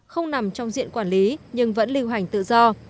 không nằm trong diện quản lý nhưng vẫn lưu hành tự do